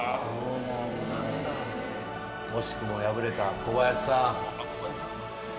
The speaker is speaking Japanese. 惜しくも敗れた小林さん。